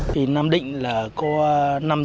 thì nam định là có năm trăm một mươi tám tàu đánh bắt xa bờ